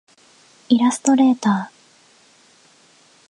イラストレーター